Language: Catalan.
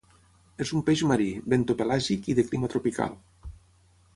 És un peix marí, bentopelàgic i de clima tropical.